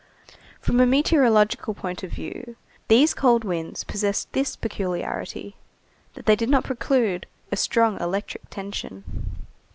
From a meteorological point of view, these cold winds possessed this peculiarity, that they did not preclude a strong electric tension.